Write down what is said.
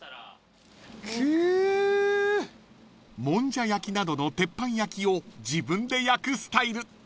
［もんじゃ焼きなどの鉄板焼きを自分で焼くスタイル］